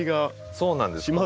そうなんですよ。